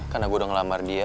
karena gue udah ngelamar dia